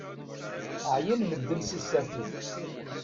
Ɛyan medden si tsertit.